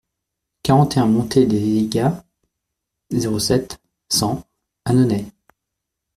quarante et un montée des Aygas, zéro sept, cent, Annonay